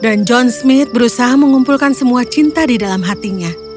dan john smith berusaha mengumpulkan semua cinta di dalam hatinya